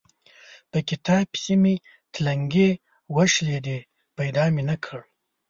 په کتاب پسې مې تلنګې وشلېدې؛ پيدا مې نه کړ.